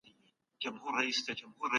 هغه د معاصر افغانستان بنسټ کښيښود.